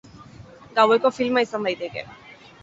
Gaueko filma izan daiteke.